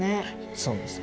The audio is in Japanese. そうです。